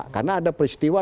karena ada peristiwa